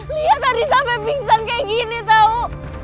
lihat tadi sampe pingsan kayak gini tau